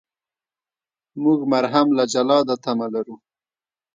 موږ مرهم له جلاده تمه لرو.